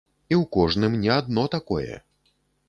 І ў кожным не адно такое.